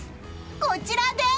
こちらです！